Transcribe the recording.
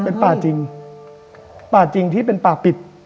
เป็นป่าจริงเป็นป่าปิด